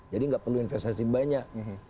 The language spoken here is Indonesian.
jadi enggak perlu investasi banyak